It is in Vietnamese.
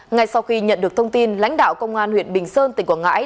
ngay sau khi nhận được thông tin lãnh đạo công an huyện bình sơn tỉnh quảng ngãi